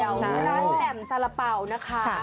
ร้านแหม่มสารเป๋านะคะ